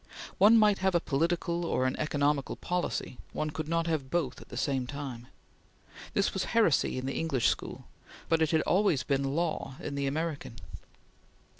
One might have a political or an economical policy; one could not have both at the same time. This was heresy in the English school, but it had always been law in the American.